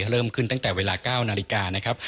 เริ่มขึ้นตั้งแต่เวลา๙นาฬิกานะครับ